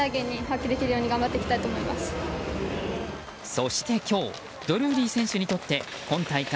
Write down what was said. そして今日ドルーリー選手にとって今大会